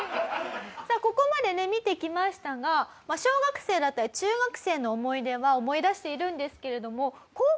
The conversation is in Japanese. さあここまでね見てきましたが小学生だったり中学生の思い出は思い出しているんですけれども。